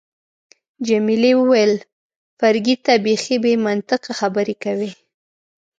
جميلې وويل: فرګي، ته بیخي بې منطقه خبرې کوي.